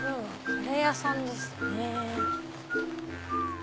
カレー屋さんですね。